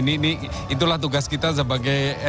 ini itulah tugas kita sebagai